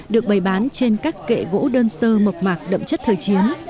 được bày bán trên các kệ gỗ đơn sơ mộc mạc đậm chất thời chiến